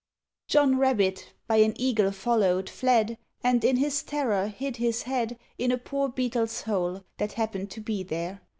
John Rabbit, by an Eagle followed, fled, And in his terror hid his head In a poor Beetle's hole, that happened to be there.